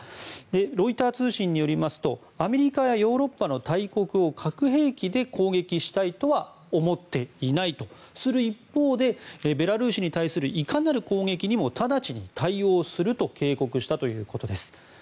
ロイター通信によりますとアメリカやヨーロッパの大国を核兵器で攻撃したいとは思っていないとする一方でベラルーシに対するいかなる攻撃にも直ちに対応すると警告したということです。